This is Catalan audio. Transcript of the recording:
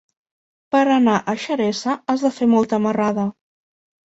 Per anar a Xeresa has de fer molta marrada.